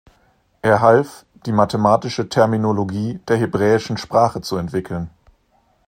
Er half, die mathematische Terminologie der hebräischen Sprache zu entwickeln.